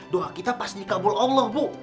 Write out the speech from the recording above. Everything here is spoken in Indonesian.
doa kita pasti kabul allah bu